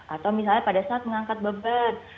atau misalnya pada saat mengangkat beban